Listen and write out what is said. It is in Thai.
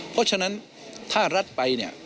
เพราะฉะนั้นถ้ารัฐไป